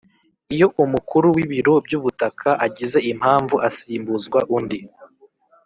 Iyo Umukuru w Ibiro by Ubutaka agize impamvu asimbuzwa undi